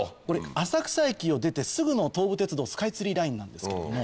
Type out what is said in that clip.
浅草駅を出てすぐの東武鉄道スカイツリーラインなんですけど。